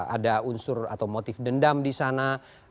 ada unsur atau motif dendam di sana